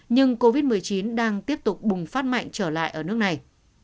nhưng covid một mươi chín đang tiếp tục bùng phát mạnh trở lại ở nước này